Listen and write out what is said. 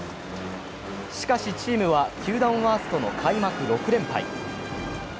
しかし、チームは球団ワーストの開幕６連敗。